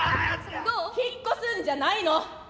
引っ越すんじゃないの？